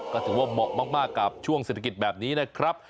ก็ถือว่าเหมาะมากกับช่วงเศรษฐกิจแบบนี้นะครับ